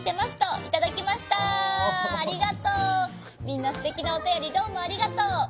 みんなすてきなおたよりどうもありがとう。